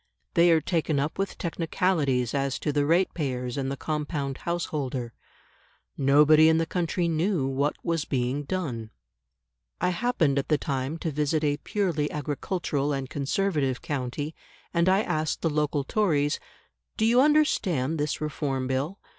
They are taken up with technicalities as to the ratepayers and the compound householder. Nobody in the country knew what was being done. I happened at the time to visit a purely agricultural and Conservative county, and I asked the local Tories, "Do you understand this Reform Bill?